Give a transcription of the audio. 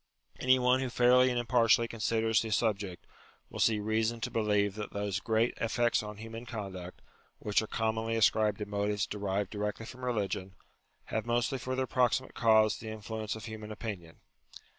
Any one who fairly and impartially considers the subject, will see reason to believe that those great effects on human conduct, which are commonly ascribed to motives derived directly from religion, have mostly for their proximate cause the influence of human opinion.